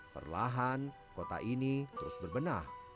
perlahan kota ini terus berbenah